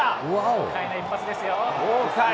豪快な一発ですよ。